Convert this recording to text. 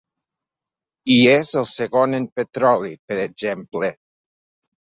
I és el segon en petroli, per exemple.